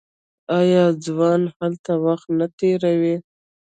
آیا ځوانان هلته وخت نه تیروي؟